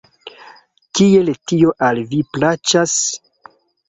Kiel tio al vi plaĉas?